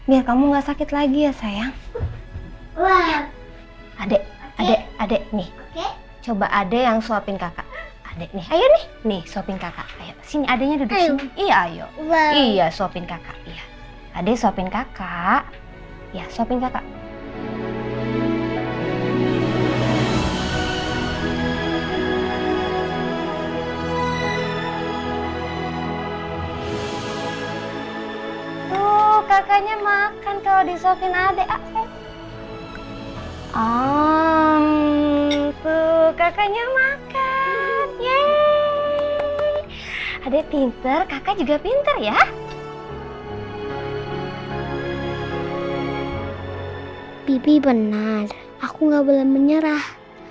enggak boleh nyerah